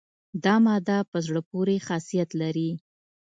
دا ماده په زړه پورې خاصیت لري.